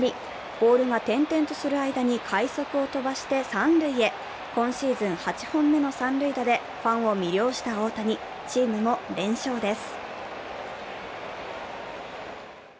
ボールが転々とする間に快足を飛ばして三塁へ今シーズン８本目の三塁打でファンを魅了した大谷、チームも連勝です。